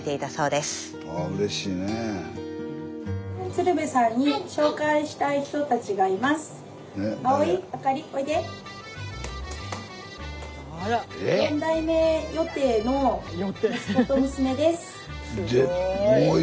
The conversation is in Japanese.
すごい！